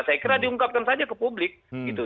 saya kira diungkapkan saja ke publik gitu